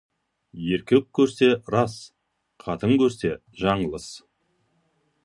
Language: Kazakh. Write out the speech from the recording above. Еркек көрсе, рас, қатын көрсе, жаңылыс.